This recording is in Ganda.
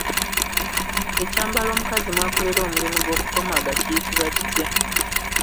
Ekyambalo omukomazi mwakolera omulimu gw’okukomaga kiyitibwa kitya?